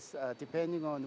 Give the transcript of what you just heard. pernahkah pelanggan kita